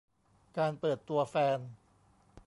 การเปิดตัวแฟน